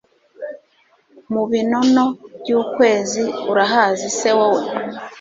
ku binono by'ukwezi urahazi se wowe